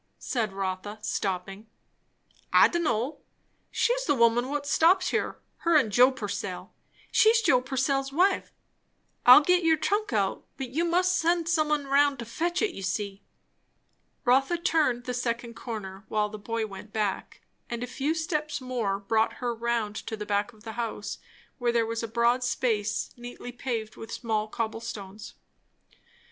said Rotha stopping. "I d'n' know; she's the woman what stops here; her and Joe Purcell. She's Joe Purcell's wife. I'll git your trunk out, but you must send some un roun' to fetch it, you see." Rotha turned the second corner, while the boy went back; and a few steps more brought her round to the back of the house, where there was a broad space neatly paved with small cobble stones.